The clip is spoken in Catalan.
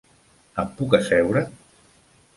Em puc asseure?